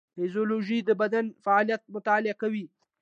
فیزیولوژي د بدن فعالیت مطالعه کوي